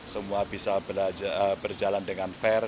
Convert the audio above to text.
semua bisa berjalan dengan fair